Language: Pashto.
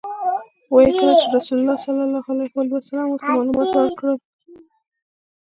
وایي کله چې رسول الله صلی الله علیه وسلم ورته معلومات ورکړل.